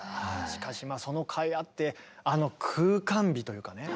しかしそのかいあってあの「空間美」というかね